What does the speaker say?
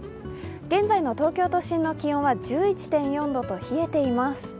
現在の東京都心の気温は１１．４度と冷えています。